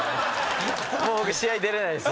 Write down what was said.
もう僕試合出れないです